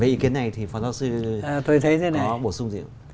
về ý kiến này thì phó giáo sư có bổ sung gì không